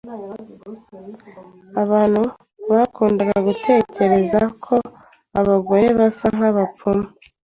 Abantu bakundaga gutekereza ko abagore basa nkabapfumu.